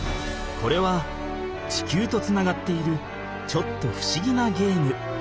これは地球とつながっているちょっとふしぎなゲーム。